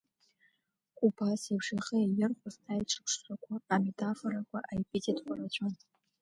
Убас еиԥш ихы иаирхәоз аиҿырԥшрақәа, аметафорақәа, аепитетқәа рацәан.